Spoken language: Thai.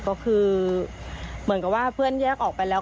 ก็คือเหมือนกับว่าเพื่อนแยกออกไปแล้ว